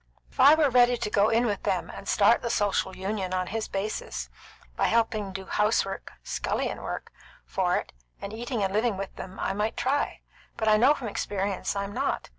If I were ready to go in with them and start the Social Union on his basis, by helping do house work scullion work for it, and eating and living with them, I might try; but I know from experience I'm not.